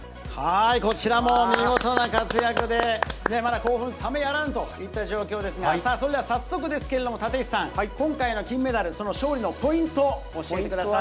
こちらもみごとな活躍で、まだ興奮冷めやらぬといった状況ですが、さあ、それでは早速ですけれども、立石さん、今回の金メダル、その勝利のポイントを教えてください。